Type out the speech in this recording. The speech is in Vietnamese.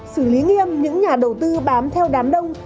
xử lý nghiêm những nhà đầu tư bám theo đám đông